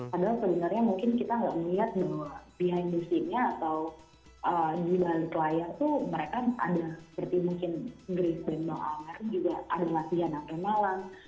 padahal sebenarnya mungkin kita nggak melihat bahwa behind the scene nya atau di balik layar tuh mereka ada seperti mungkin grace dan bang almer juga ada latihan sampai malam